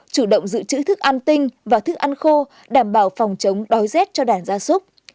chủ động giữ chữ thức ăn tinh và thức ăn khô đảm bảo phòng chống đói rét cho đàn gia súc